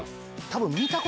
多分。